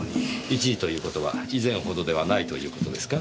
一時という事は以前ほどではないという事ですか？